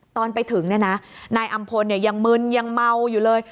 ตอนไปถึงเนี่ยนะนายอำพลยังมึนยังเมาอยู่เลย